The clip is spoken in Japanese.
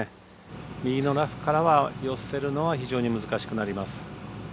右のラフからは寄せるのは非常に難しくなります。